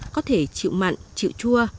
có thể chịu mặn chịu chua